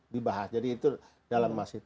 dibahas jadi itu dalam masjid